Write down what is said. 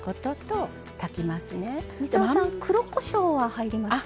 操さん黒こしょうは入りますか？